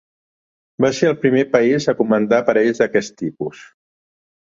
Va ser el primer país a comandar aparells d'aquest tipus.